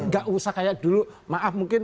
gak usah kayak dulu maaf mungkin